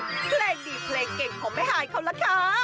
เพลงดีเพลงเก่งของแม่ฮายเขาล่ะค่ะ